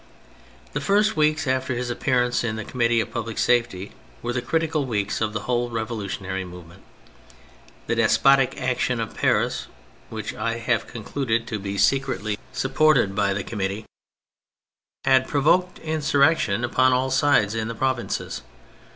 The first weeks after his appearance in the Connnittee of Public Safety were the critical weeks of the whole revolutionary movement. The despotic action of Paris (which I have concluded to be secretly sup THE PHASES 135 ported by the Committee)^ had provoked insur rection upon all sides in the provinces.